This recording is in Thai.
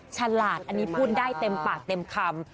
ฉลาดอันนี้พูดได้เต็มปากเต็มคำ